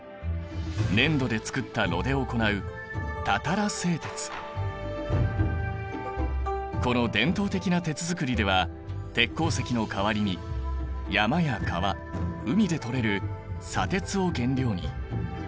粘土で作った炉で行うこの伝統的な鉄づくりでは鉄鉱石の代わりに山や川海でとれる砂鉄を原料に。